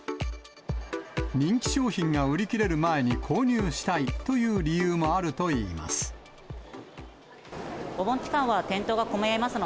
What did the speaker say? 人気商品が売り切れる前に購入したいという理由もあるといいます。